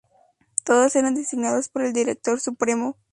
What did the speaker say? Todos eran designados por el Director Supremo.